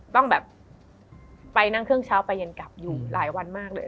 ต้องแบบไปนั่งเครื่องเช้าไปเย็นกลับอยู่หลายวันมากเลย